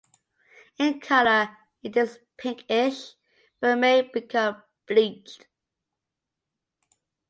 In colour it is pinkish but may become bleached.